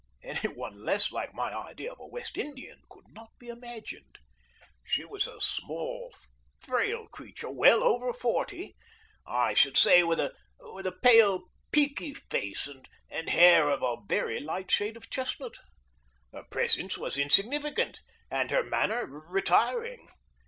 Any one less like my idea of a West Indian could not be imagined. She was a small, frail creature, well over forty, I should say, with a pale, peaky face, and hair of a very light shade of chestnut. Her presence was insignificant and her manner retiring.